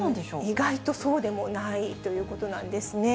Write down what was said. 意外とそうでもないということなんですね。